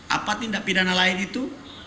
apa tindak pidana lain itu